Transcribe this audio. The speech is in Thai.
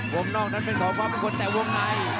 วงนอกนั้นเป็นของความเป็นคนแต่วงใน